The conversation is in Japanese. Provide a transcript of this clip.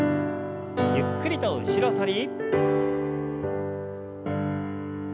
ゆっくりと後ろ反り。